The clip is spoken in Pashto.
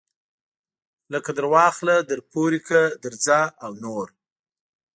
لکه درواخله درپورې کړه درځه او نور.